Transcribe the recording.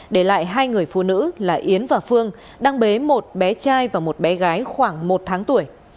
để lại hai người phụ nữ là yến và phương đang bế một bé trai và một bé gái khoảng một tháng tuổi